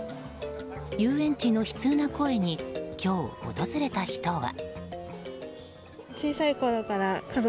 遊園地の悲痛な声に今日訪れた人は。